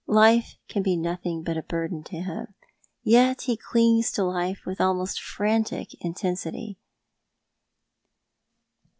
Life can be nothing but a burden to him ; yet he clings to life with almost frantic intensity."